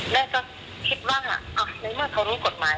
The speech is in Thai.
แม่ก็คิดว่าในเมื่อเขารู้กฎหมาย